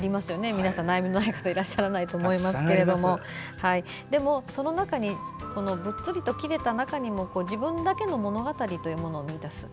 皆さん、悩みのない方いらっしゃらないと思いますがでも、その中にブッツリと切れた中にも自分だけの物語を持つ。